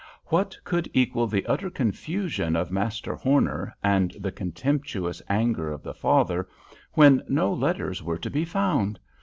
What could equal the utter confusion of Master Horner and the contemptuous anger of the father, when no letters were to be found!